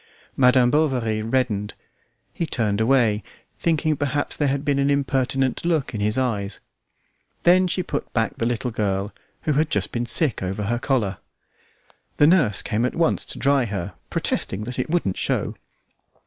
Madam Bovary reddened; he turned away, thinking perhaps there had been an impertinent look in his eyes. Then she put back the little girl, who had just been sick over her collar. The nurse at once came to dry her, protesting that it wouldn't show.